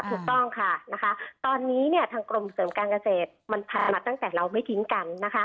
ถูกต้องค่ะตอนนี้ทางกรมเสริมการเกษตรมันผ่านมาตั้งแต่เราไม่ทิ้งกันนะคะ